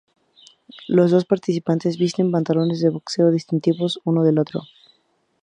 Los dos participantes visten pantalones de boxeo distintivos uno del otro.